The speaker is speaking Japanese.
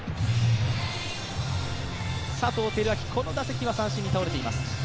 佐藤輝明、この打席は三振に倒れています。